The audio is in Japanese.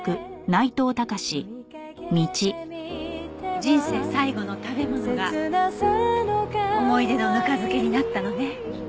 人生最後の食べ物が思い出のぬか漬けになったのね。